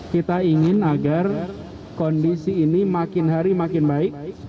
kita ingin agar kondisi ini makin hari makin baik